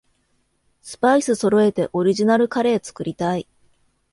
スパイスそろえてオリジナルカレー作りたい